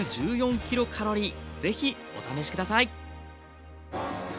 是非お試し下さい。